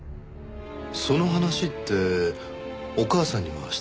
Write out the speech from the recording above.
その話ってお母さんにはした？